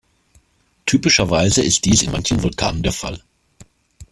Typischerweise ist dies in manchen Vulkanen der Fall.